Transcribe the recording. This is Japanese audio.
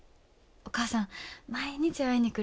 お母さん毎日会いに来る。